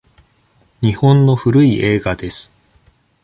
日本の古い映画です。